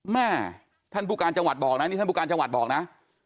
แม่ท่านผู้การจังหวัดบอกนะนี่ท่านผู้การจังหวัดบอกนะ